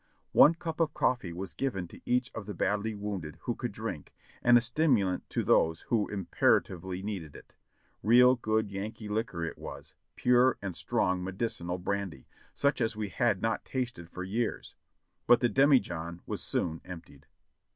One cup of coffee was given to each of the badly wounded who could drink, and a stimulant to those who imperatively needed it; real good Yankee liquor it was, pure and strong medicinal brandy, such as we had not tasted for years; but the demijohn was soon emptied.